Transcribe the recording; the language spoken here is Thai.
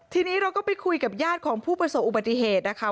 ทีนี้เราก็ไปคุยกับญาติของผู้ประสบอุบัติเหตุนะคะ